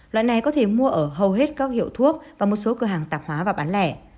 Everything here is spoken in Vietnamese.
loại này có thể mua ở hầu hết các hiệu thuốc và một số cửa hàng tạp hóa và bán lẻ